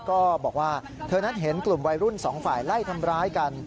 ก็บอกว่าเธอนั้นเห็นกลุ่มวัยรุ่นสองฝ่ายไล่ทำร้ายกัน